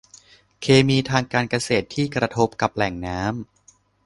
เคมีทางการเกษตรที่กระทบกับแหล่งน้ำ